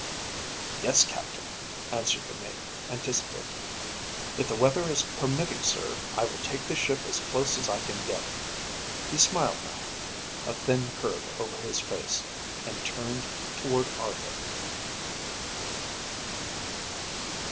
_ _"Yes, captain," answered the mate, anticipating. "If the weather is permitting, sir, I will take the ship as close as I can get." He smiled now, a thin curve over his face, and turned toward Argo.